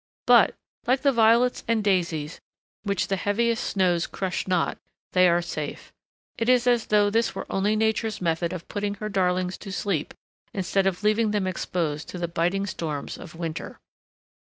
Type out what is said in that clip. But, like the violets and daisies which the heaviest snows crush not, they are safe. It is as though this were only Nature's method of putting her darlings to sleep instead of leaving them exposed to the biting storms of winter.